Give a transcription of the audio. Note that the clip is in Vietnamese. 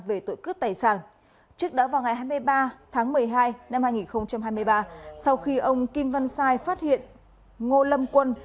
về tội cướp tài sản trước đó vào ngày hai mươi ba tháng một mươi hai năm hai nghìn hai mươi ba sau khi ông kim văn sai phát hiện ngô lâm quân